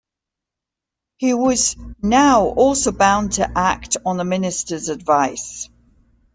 He was now also bound to act on the ministers' advice.